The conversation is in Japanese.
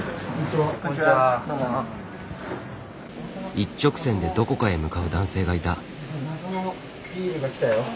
一直線でどこかへ向かう男性がいた。